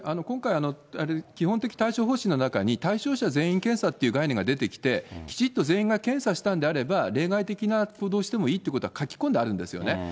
今回、基本的対処方針の中に、対象者全員検査という概念が出てきて、きちっと全員が検査したんであれば、例外的な行動をしてもいいということは書き込んであるんですよね。